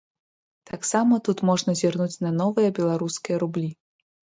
Таксама тут можна зірнуць на новыя беларускія рублі.